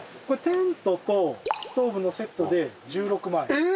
これテントとストーブのセットで１６万円。